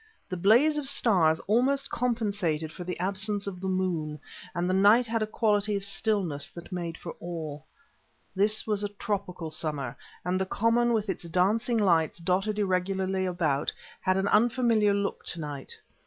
The blaze of stars almost compensated for the absence of the moon and the night had a quality of stillness that made for awe. This was a tropical summer, and the common, with its dancing lights dotted irregularly about it, had an unfamiliar look to night.